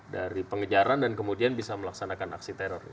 dari pengejaran dan kemudian bisa melaksanakan aksi teror